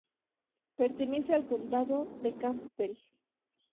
Pertenece al Condado de Campbell.